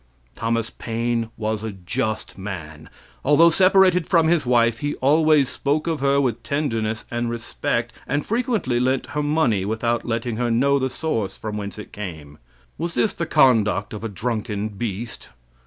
Thomas Paine was a just man. Although separated from his wife, he always spoke of her with tenderness and respect, and frequently lent her money without letting her know the source from whence it came. Was this the conduct of a drunken beast?